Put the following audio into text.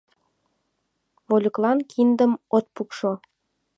Вольыклан киндым от пукшо.